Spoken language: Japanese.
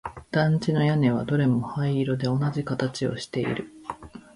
団地の屋根はどれも灰色で同じ形をしている